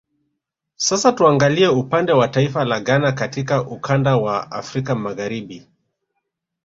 Sasa tuangalie upande wa taifa la Ghana katika ukanda wa Afrika Magharibi